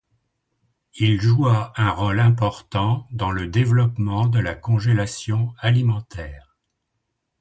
Il joua un rôle important dans le développement de la congélation alimentaire.